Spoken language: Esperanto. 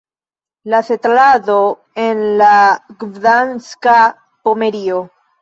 La setlado en la Gdanska Pomerio.